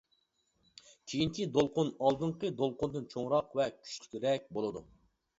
كېيىنكى دولقۇن ئالدىنقى دولقۇندىن چوڭراق ۋە كۈچلۈكرەك بولىدۇ.